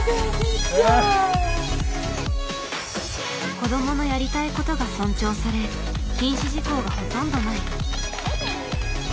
子どものやりたいことが尊重され禁止事項がほとんどない。